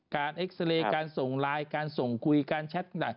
การเอ็กซ์เรย์การส่งไลน์การส่งคุยการแชท